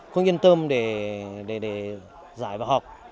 không yên tâm để giải và học